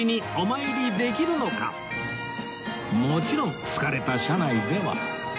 徳さんもちろん疲れた車内では